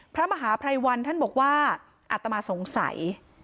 พระมหาภัยวันท่านบอกว่าอัตมาสงสัย